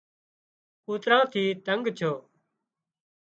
ڪوترا ٿي تنڳ ڇو